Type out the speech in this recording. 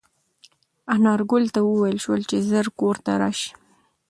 انارګل ته وویل شول چې ژر کور ته راشي.